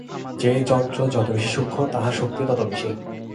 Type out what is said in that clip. যে যন্ত্র যত বেশী সূক্ষ্ম, তাহার শক্তিও তত বেশী।